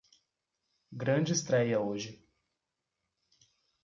Grande estréia hoje